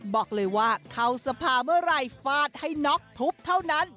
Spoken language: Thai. บอกเลยว่าเข้าสภาเมื่อไหร่ฟาดให้น็อกทุบเท่านั้น